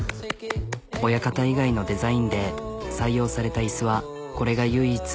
親方以外のデザインで採用された椅子はこれが唯一。